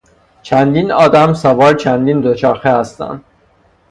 چندین آدم سوار چندین دوچرخه هستند.